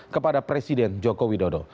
kepada presiden joko widodo